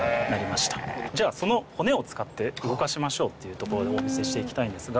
じゃあその骨を使って動かしましょうってところでお見せしていきたいんですが。